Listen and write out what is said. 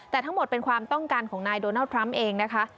แต่ทั้งหมดเป็นความต้องการของนายโดนัลดทรัมป์เองนะคะ